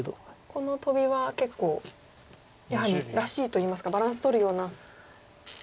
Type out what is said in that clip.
このトビは結構やはりらしいといいますかバランスとるようなタイプだから。